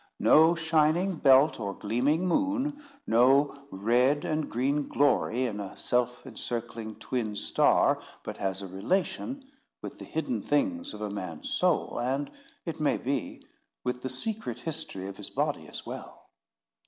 No shining belt or gleaming moon, no red and green glory in a self encircling twin star, but has a relation with the hidden things of a man's soul, and, it may be, with the secret history of his body as well.